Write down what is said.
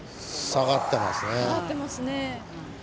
下がってますね。